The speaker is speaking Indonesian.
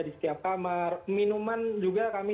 di setiap kamar minuman juga kami